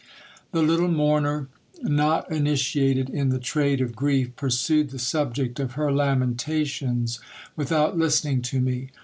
The little mourner, not initiated in the trade of grief, pursued the subject of her lamentations without listening to me.